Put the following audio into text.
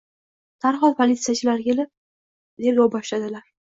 Darhol polisiyachilar etib kelishib, tergov boshladilar